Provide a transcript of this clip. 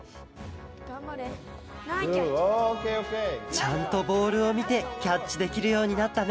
ちゃんとボールをみてキャッチできるようになったね